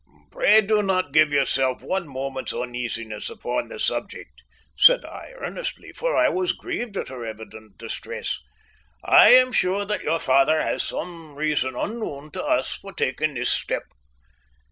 "Pray do not give yourself one moment's uneasiness upon the subject," said I earnestly, for I was grieved at her evident distress. "I am sure that your father has some reason unknown to us for taking this step."